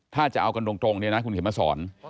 ถ้าจะเอากันตรงคุณเขียนมาสอน